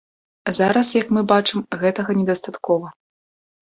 Зараз, як мы бачым, гэтага недастаткова.